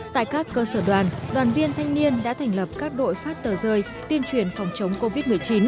tại các cơ sở đoàn đoàn viên thanh niên đã thành lập các đội phát tờ rơi tuyên truyền phòng chống covid một mươi chín